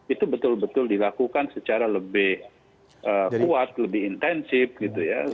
itu betul betul dilakukan secara lebih kuat lebih intensif gitu ya